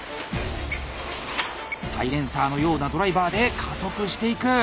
サイレンサーのようなドライバーで加速していく。